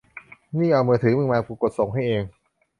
นี่ เอามือถือมึงมา กูกดส่งให้เอง